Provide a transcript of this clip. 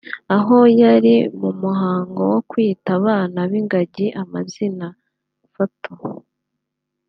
Aho yari mu muhango wo kwita abana b’ingagi amazina/Photo